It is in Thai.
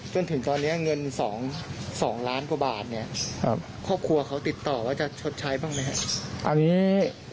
จนถึงตอนนี้เงิน๒ล้านกว่าบาทเนี่ยครอบครัวเขาติดต่อว่าจะชดใช้บ้างไหมครับ